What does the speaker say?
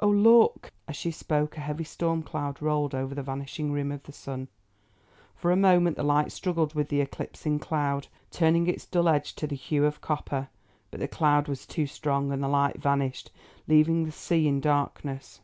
Oh, look!" As she spoke a heavy storm cloud rolled over the vanishing rim of the sun. For a moment the light struggled with the eclipsing cloud, turning its dull edge to the hue of copper, but the cloud was too strong and the light vanished, leaving the sea in darkness.